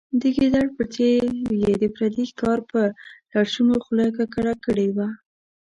د ګیدړ په څېر یې د پردي ښکار په لړشونو خوله ککړه کړې وه.